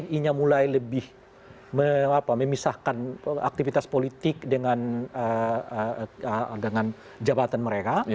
ini mulai lebih memisahkan aktivitas politik dengan jabatan mereka